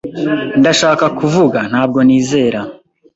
“Ndashaka kuvuga. Ntabwo nizera